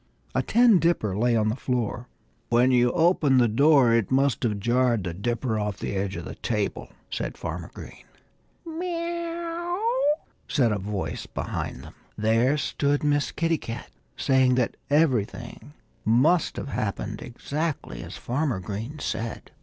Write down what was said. A tin dipper lay on the floor. "When you opened the door it must have jarred the dipper off the edge of the table," said Farmer Green. "Meaow!" said a voice behind them. There stood Miss Kitty Cat, saying that everything must have happened exactly as Farmer Green said.